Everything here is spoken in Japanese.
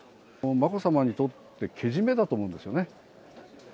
まこさまにとって、けじめだと思うんですよね。